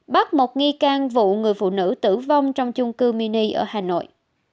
bắt một nghi can vụ người phụ nữ tử vong trong chung cư mini ở hà nội